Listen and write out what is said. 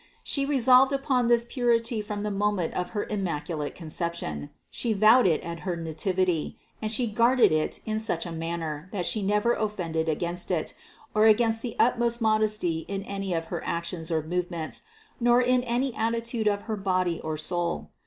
She re solved upon this purity from the moment of her Immacu late Conception, She vowed it at her nativity, and She THE CONCEPTION 455 guarded it in such a manner that vShe never offended against it, or against the utmost modesty in any of her actions or movements, nor in any attitude of her body or soul.